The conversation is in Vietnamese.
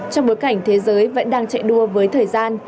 trong bối cảnh thế giới vẫn đang chạy đua với thời gian